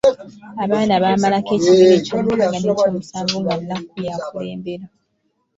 Abaana baamalako ekibiina eky’omukaaga n’ekyo'musanvu nga Nnakku y'akulembera.